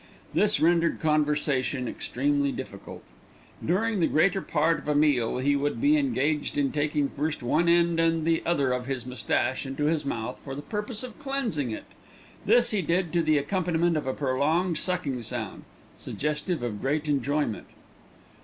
This rendered conversation extremely difficult. During the greater part of a meal he would be engaged in taking first one end and then the other of his moustache into his mouth for the purpose of cleansing it. This he did to the accompaniment of a prolonged sucking sound, suggestive of great enjoyment.